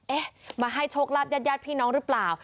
เอ๊ะมาให้โชคลาภญาติพี่น้องหรือเปล่า